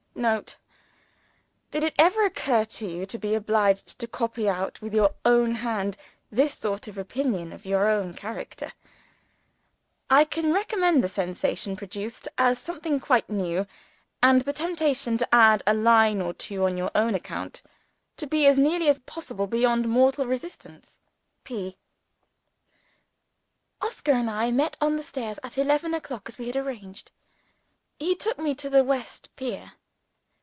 [Note. Did it ever occur to you to be obliged to copy out, with your own hand, this sort of opinion of your own character? I can recommend the sensation produced as something quite new, and the temptation to add a line or two on your own account to be as nearly as possible beyond mortal resistance. P.] Oscar and I met at the stairs, at eleven o'clock, as we had arranged. He took me to the west pier.